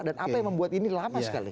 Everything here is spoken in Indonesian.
dan apa yang membuat ini lama sekali